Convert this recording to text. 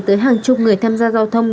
tới hàng chục người tham gia giao thông